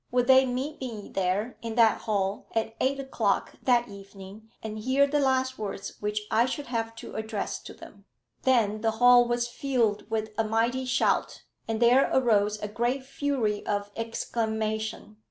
Would they meet me there, in that hall, at eight o'clock that evening, and hear the last words which I should have to address to them? Then the hall was filled with a mighty shout, and there arose a great fury of exclamation.